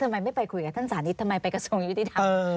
ทำไมไม่ไปคุยกับท่านสานิททำไมไปกระทรวงยุติธรรม